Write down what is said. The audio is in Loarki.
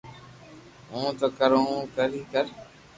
ھون تو ڪرو تو ڪر ني ڪر